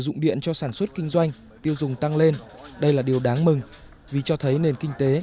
dụng điện cho sản xuất kinh doanh tiêu dùng tăng lên đây là điều đáng mừng vì cho thấy nền kinh tế